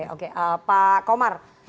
oke pak komar